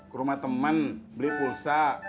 ke rumah teman beli pulsa